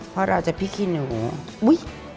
พ่อเราจะพริกขี้หนู